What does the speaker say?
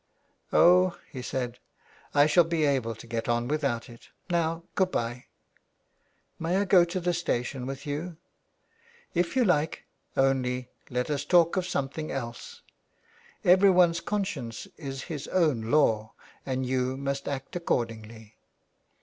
367 THE WILD GOOSE. '* Oh," he said. " I shall be able to get on without it. Now, goodbye.'' " May I go to the station with you." '' If you like, only let us talk of something else. Everyone's conscience is his own law and you must act accordingly."